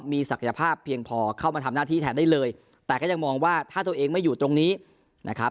มีศักยภาพเพียงพอเข้ามาทำหน้าที่แทนได้เลยแต่ก็ยังมองว่าถ้าตัวเองไม่อยู่ตรงนี้นะครับ